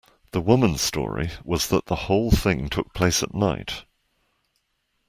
The woman's story was that the whole thing took place at night